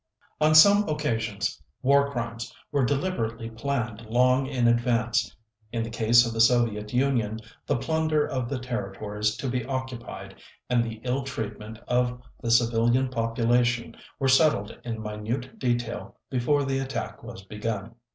On some occasions, War Crimes were deliberately planned long in advance. In the case of the Soviet Union, the plunder of the territories to be occupied, and the ill treatment of the civilian population, were settled in minute detail before the attack was begun.